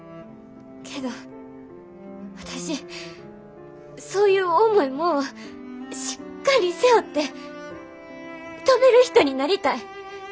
けど私そういう重いもんをしっかり背負って飛べる人になりたい。